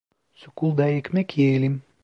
Sokul da ekmek yiyelim!